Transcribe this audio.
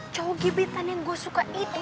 cowok gibitan yang gue suka itu